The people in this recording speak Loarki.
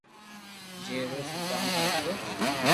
جي رو سودھا ما ھتو